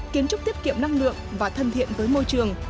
kiến trúc tiết kiệm năng lượng và thân thiện với môi trường